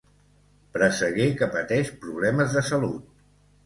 Presseguer que pateix problemes de salut.